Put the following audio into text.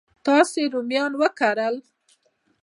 تاسو رومیان وکرل؟